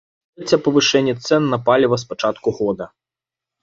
Гэта трэцяе павышэнне цэн на паліва з пачатку года.